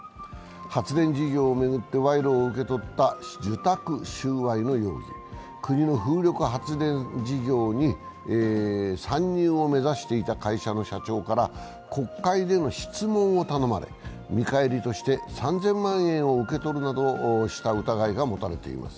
発電事業を巡って賄賂を受け取った受託収賄の容疑、国の風力発電事業に参入を目指していた会社の社長から国会での質問を頼まれ、見返りとして３０００万円を受け取るなどした疑いが持たれています。